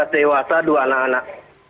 lima belas dewasa dua anak anak